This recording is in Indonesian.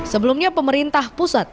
sebelumnya pemerintah pusat